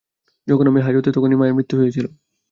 যখন আমি হাজতে তখনই মায়ের মৃত্যু হয়েছিল।